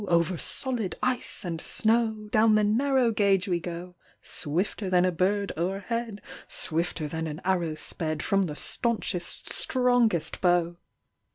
Over solid ice and snow, Down the narrow gauge we go Swifter than a bird o'erhead, Swifter than an arrow sped From the staunchest, strongest bow.